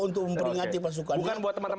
untuk memperingati pasukannya